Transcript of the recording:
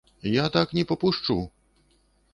Я так не папушчу!